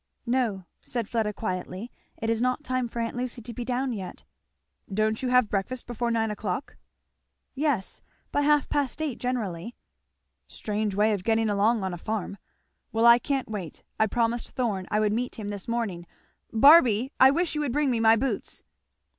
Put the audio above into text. "No," said Fleda quietly, "it is not time for aunt Lucy to be down yet." "Don't you have breakfast before nine o'clock?" "Yes by half past eight generally." "Strange way of getting along on a farm! Well I can't wait I promised Thorn I would meet him this morning Barby! I wish you would bring me my boots!